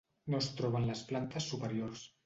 No es troba en les plantes superiors.